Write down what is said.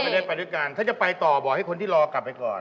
ได้ไปด้วยกันถ้าจะไปต่อบอกให้คนที่รอกลับไปก่อน